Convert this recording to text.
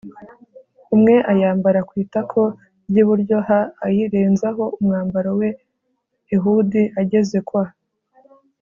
umwe Ayambara ku itako ry iburyo h ayirenzaho umwambaro we Ehudi ageze kwa